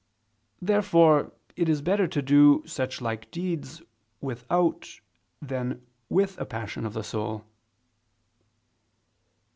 Therefore it is better to do such like deeds without than with a passion of the soul.